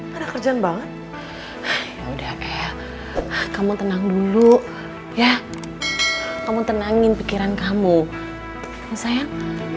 kan aneh ada kerjaan banget ya udah eh kamu tenang dulu ya kamu tenangin pikiran kamu sayang